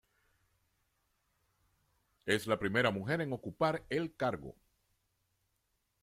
Es la primera mujer en ocupar el cargo.